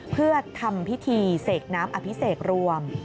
เพื่อทำพิธีเสกน้ำอภิเษกรวม